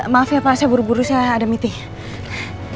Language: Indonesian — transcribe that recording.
maaf ya pak saya buru buru saya ada meeting